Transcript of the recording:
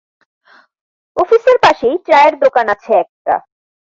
অফিসের পাশেই চায়ের দোকান আছে একটা।